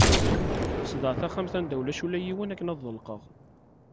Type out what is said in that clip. Qesdeɣ taxxamt anda ulac ula yiwen akken ad ḍelqeɣ.